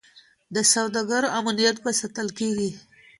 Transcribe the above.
د سوداګرو امنیت به ساتل کیږي.